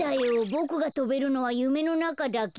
ボクがとべるのはゆめのなかだけ。